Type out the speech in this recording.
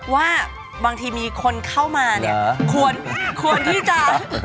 ว่าบางทีมีคนเข้ามาเนี่ย